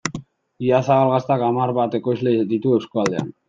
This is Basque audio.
Idiazabal Gaztak hamar bat ekoizle ditu eskualdean.